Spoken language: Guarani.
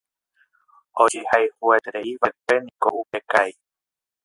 Ojehayhuetereívaʼekueniko upe karai.